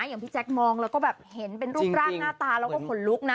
อย่างพี่แจ๊คมองแล้วก็แบบเห็นเป็นรูปร่างหน้าตาแล้วก็ขนลุกนะ